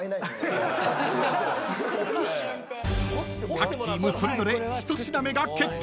［各チームそれぞれ１品目が決定］